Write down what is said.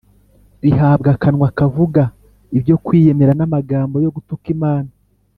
Ihabwa akanwa kavuga ibyo kwiyemera n’ amagambo yo gutuka Imana